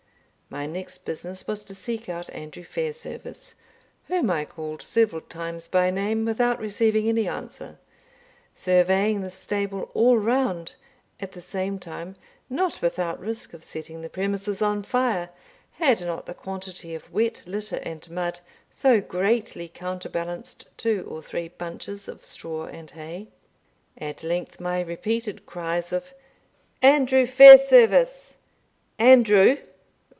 My next business was to seek out Andrew Fairservice, whom I called several times by name, without receiving any answer, surveying the stable all round, at the same time, not without risk of setting the premises on fire, had not the quantity of wet litter and mud so greatly counterbalanced two or three bunches of straw and hay. At length my repeated cries of "Andrew Fairservice! Andrew!